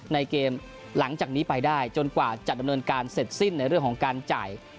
ในเกมหลังจากนี้ไปได้จนกว่าจะดำเนินการเสร็จสิ้นในเรื่องของการจ่าย